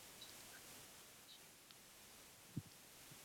又当上职业演员。